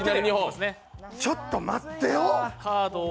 ちょっと待ってよ。